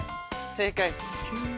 正解です。